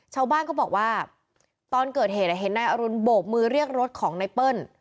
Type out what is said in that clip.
ชาวบ้านเขาบอกว่าตอนเกิดเหตุเห็นนายอรุณโบกมือเรียกรถของไนเปิ้ล